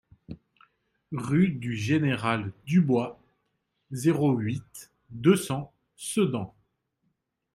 Rue du Général Dubois, zéro huit, deux cents Sedan